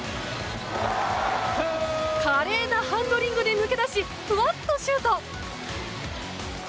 華麗なハンドリングで抜け出しフワッとシュート！